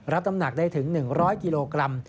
รับน้ำหนักได้ถึง๑๐๐กิโลกรัม